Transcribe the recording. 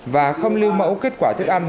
và không lưu mẫu kết quả thức ăn